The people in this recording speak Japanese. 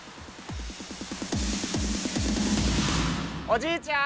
おじいちゃん！